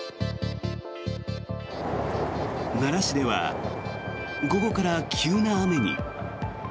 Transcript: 奈良市では午後から急な雨に。